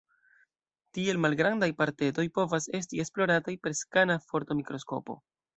Tiel malgrandaj partetoj povas esti esplorataj per skana fortomikroskopo.